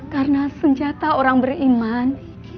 karena senjata orang beriman